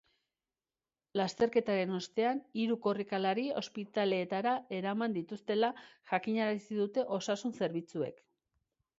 Lasterketaren ostean, hiru korrikalari ospitaleetara eraman dituztela jakinarazi dute osasun zerbitzuek.